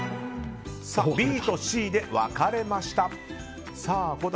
ＢとＣで分かれました。